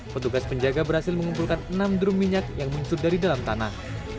petugas penjaga berhasil mengumpulkan enam drum minyak yang muncul dari dalam tanah